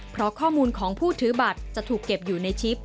เพราะข้อมูลของผู้ถือบัตรจะถูกเก็บอยู่ในชิป